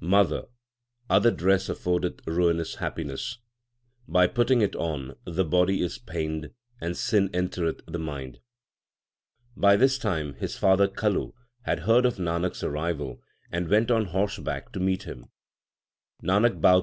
Mother, other dress affordeth ruinous happiness ; By putting it on, the body is pained and sin entereth the mind. By this time his father Kaluhad heard of Nanak s arrival, and went on horseback to meet him. Nanak 1 God.